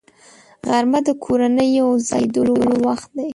غرمه د کورنۍ یو ځای کېدلو وخت دی